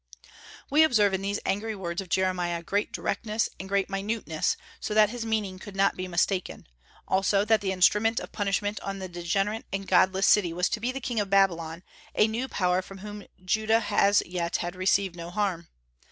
We observe in these angry words of Jeremiah great directness and great minuteness, so that his meaning could not be mistaken; also that the instrument of punishment on the degenerate and godless city was to be the king of Babylon, a new power from whom Judah as yet had received no harm.